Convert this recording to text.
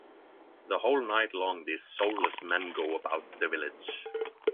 The whole night long these soulless men go about the village.